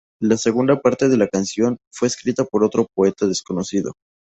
La segunda parte de la "Canción" fue escrita por otro poeta, desconocido.